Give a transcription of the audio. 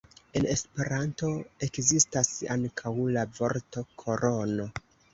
En Esperanto ekzistas ankaŭ la vorto korono.